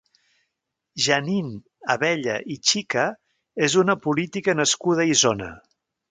Jeannine Abella i Chica és una política nascuda a Isona.